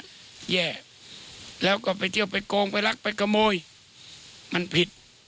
แย่แล้วก็ไปเที่ยวไปโกงไปรักไปขโมยมันผิด